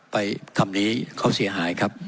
คำนี้เขาเสียหายครับ